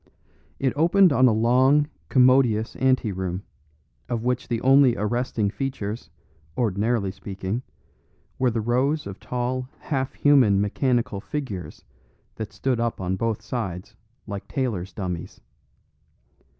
It opened on a long, commodious ante room, of which the only arresting features, ordinarily speaking, were the rows of tall half human mechanical figures that stood up on both sides like tailors' dummies.